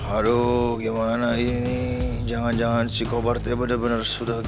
aduh gimana ini jangan jangan si kobar tuh ya bener bener sudah gitu